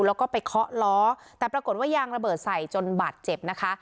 แล้วก็ไปเคาะล้อแต่ปรากฏว่ายางระเบิดใส่จนบาดเจ็บนะคะ